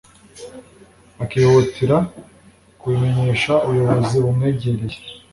akihutira kubimenyesha ubuyobozi bumwegereye